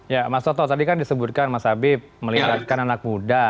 ya mas toto tadi kan disebutkan mas habib melibatkan anak muda